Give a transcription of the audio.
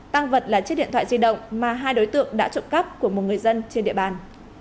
tăng vật là chiếc điện thoại di động mà hai đối tượng đã trộm cắp của một người dân trên địa bàn